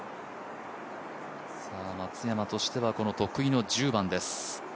松山としては得意の１０番です。